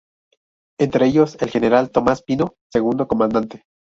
Entre ellos, el General Tomas Pino, segundo comandante.